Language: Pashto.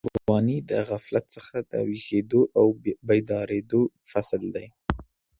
ځواني د غفلت څخه د وهمېشهو او بېدارېدو فصل دی.